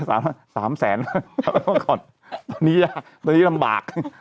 เอาไว้๓แสนตอนนี้ลำบาก